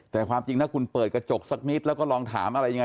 แต่ความจริงถ้าคุณเปิดกระจกสักนิดแล้วก็ลองถามอะไรยังไง